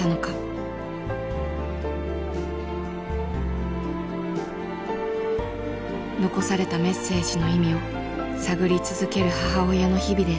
残されたメッセージの意味を探り続ける母親の日々です。